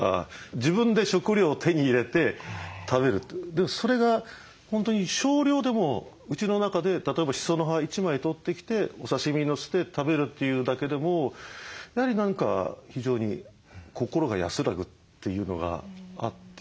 自分で食料を手に入れて食べるってそれが本当に少量でもうちの中で例えばシソの葉１枚取ってきてお刺身にのせて食べるというだけでもやはり何か非常に心が安らぐというのがあって。